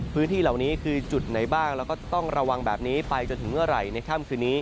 พื้นที่เหล่านี้คือจุดไหนบ้างแล้วก็ต้องระวังแบบนี้ไปจนถึงเมื่อไหร่ในค่ำคืนนี้